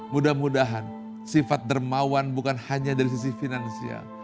mudah mudahan sifat dermawan bukan hanya dari sisi finansial